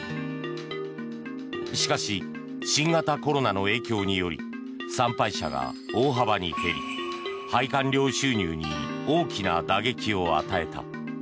しかし、新型コロナの影響により参拝者が大幅に減拝観料収入に大きな打撃を与えた。